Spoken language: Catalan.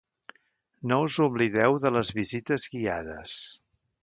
No us oblideu de les visites guiades!